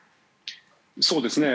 そうですね。